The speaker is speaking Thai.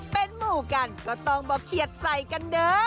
เป็นหมู่กันก็ต้องบอกเขียดใส่กันเด้อ